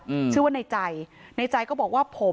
อืมชื่อว่าในใจในใจก็บอกว่าผม